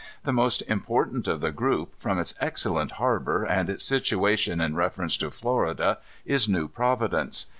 The most important of the group, from its excellent harbor, and its situation in reference to Florida, is New Providence.